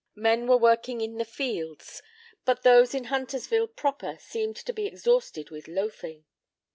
Men were working in the fields, but those in Huntersville proper seemed to be exhausted with loafing.